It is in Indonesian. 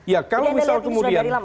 ya kalau misal kemudian